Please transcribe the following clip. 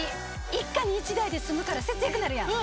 一家に１台で済むから節約になるやん。